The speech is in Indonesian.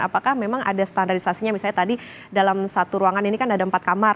apakah memang ada standarisasinya misalnya tadi dalam satu ruangan ini kan ada empat kamar